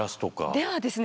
ではですね